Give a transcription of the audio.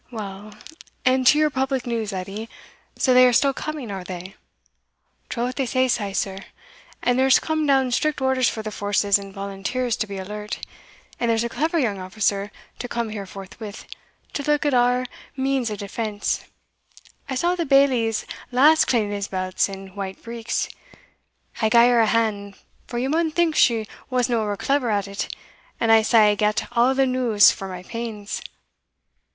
"Well, and to your public news, Edie So they are still coming are they?" "Troth they say sae, sir; and there's come down strict orders for the forces and volunteers to be alert; and there's a clever young officer to come here forthwith, to look at our means o' defence I saw the Bailies lass cleaning his belts and white breeks I gae her a hand, for ye maun think she wasna ower clever at it, and sae I gat a' the news for my pains."